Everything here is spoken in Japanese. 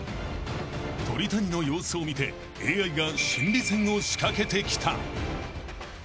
［鳥谷の様子を見てＡＩが心理戦を仕掛けてきた］